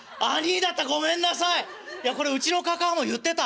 いやこれうちの嬶も言ってた。